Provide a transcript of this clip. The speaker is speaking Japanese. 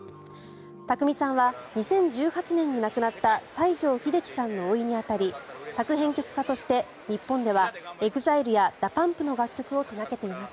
宅見さんは２０１８年に亡くなった西城秀樹さんのおいに当たり作編曲家として日本ではＥＸＩＬＥやＤＡＰＵＭＰの楽曲を手掛けています。